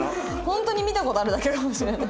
ホントに見た事あるだけかもしれない。